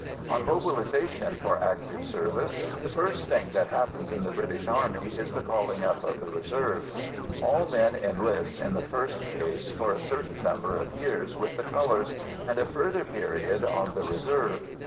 On mobilisation for active service, the first thing that happens in the British Army is the calling up of the reserves. All men enlist, in the first case, for a certain number of years with the colours and a further period "on the reserve."